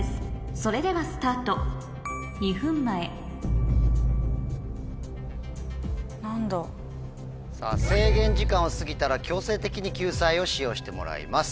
それではスタート２分前制限時間を過ぎたら強制的に救済を使用してもらいます。